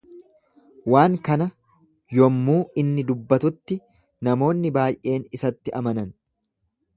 Waan kana yommuu inni dubbatutti namoonni baay'een isatti amanan.